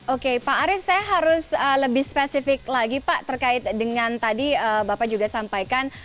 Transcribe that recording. oke pak arief saya harus lebih spesifik lagi pak terkait dengan tadi bapak juga sampaikan